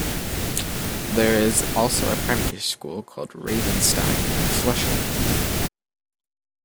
There is also a primary school called 'Ravenstein', in Flushing.